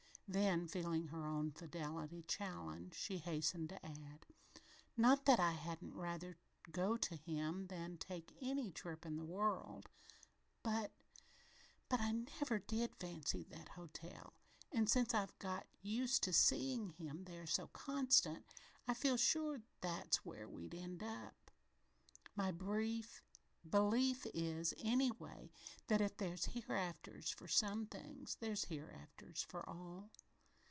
Then, feeling her own fidelity challenged, she hastened to add: "Not that I hadn't rather go to him than to take any trip in the world, but but I never did fancy that hotel, and since I've got used to seein' him there so constant, I feel sure that's where we'd put up. My belief is, anyway, that if there's hereafters for some things, there's hereafters for all.